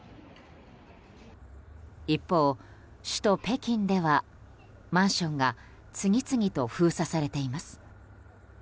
一方、首都・北京ではマンションが次々と封鎖されています。